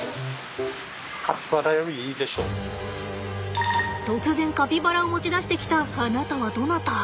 突然カピバラを持ち出してきたあなたはどなた？